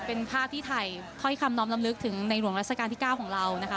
เป็นภาพที่ถ่ายถ้อยคำน้อมลำลึกถึงในหลวงราชการที่๙ของเรานะคะ